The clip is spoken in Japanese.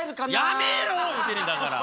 やめろ言うてんねんだから。